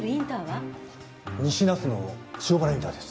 西那須野塩原インターです。